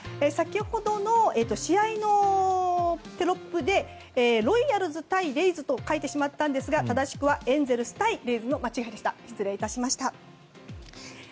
先ほどの試合テロップでロイヤルズ対レイズと書いてしまいましたが正しくはエンゼルス対レイズでした。